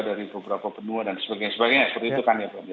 dari beberapa benua dan sebagainya sebagainya seperti itu kan ya bram ya